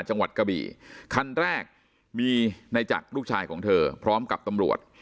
กะบี่คันแรกมีในจักรลูกชายของเธอพร้อมกับตำรวจ